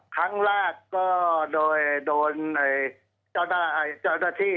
ครั้งแรกก็โดยโดนเจ้าหน้าที่